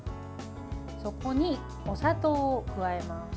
そこにお砂糖を加えます。